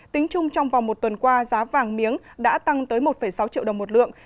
tính chung trong vòng một tuần qua giá vàng miếng đã tăng tới một sáu triệu đồng một lượng